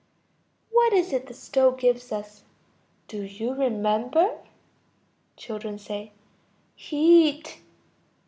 What is it the stove gives us? Do you remember? Children. Heat.